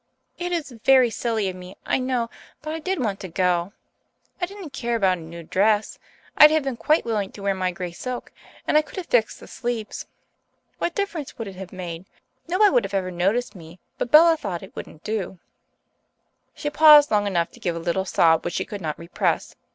"It is very silly of me, I know, but I did want to go. I didn't care about a new dress. I'd have been quite willing to wear my grey silk, and I could have fixed the sleeves. What difference would it have made? Nobody would ever have noticed me, but Bella thought it wouldn't do." She paused long enough to give a little sob which she could not repress.